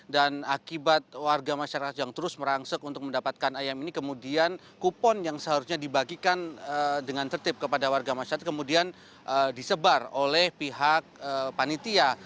dan akibat warga masyarakat yang terus merangsek untuk mendapatkan ayam ini kemudian kupon yang seharusnya dibagikan dengan tertib kepada warga masyarakat kemudian disebar oleh pihak panitia